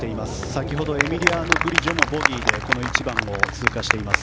先ほどエミリアノ・グリジョもボギーで１番を通過しています。